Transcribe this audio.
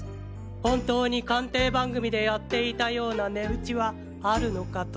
本当に鑑定番組でやっていたような値打ちはあるのかと。